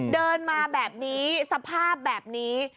เดินมาแบบนี้สภาพแบบนี้